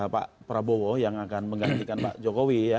pak prabowo yang akan menggantikan pak jokowi ya